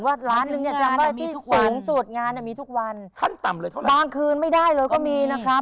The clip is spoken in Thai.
บางคืนไม่ได้หรอก็มีนะครับ